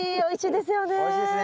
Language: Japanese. おいしいですね。